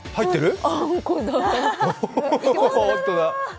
本当だ！